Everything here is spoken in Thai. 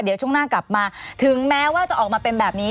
เดี๋ยวช่วงหน้ากลับมาถึงแม้ว่าจะออกมาเป็นแบบนี้